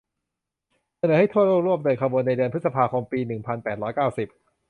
เสนอให้ทั่วโลกร่วมเดินขบวนในเดือนพฤษภาคมปีหนึ่งพันแปดร้อยเก้าสิบ